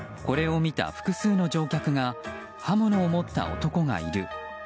これを見た複数の乗客が刃物を持った男がいる。